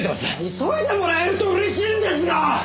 急いでもらえると嬉しいんですが！